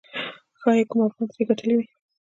ښايي کوم افغان ترې ګټه واخلي.